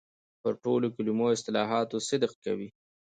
پر ټولو کلمو او اصطلاحاتو صدق کوي.